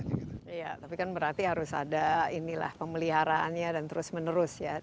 iya tapi kan berarti harus ada inilah pemeliharaannya dan terus menerus ya